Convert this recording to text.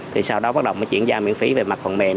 thì sau đó bắt đầu chuyển gia miễn phí về mặt phần mềm